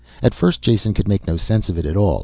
At first Jason could make no sense of it at all.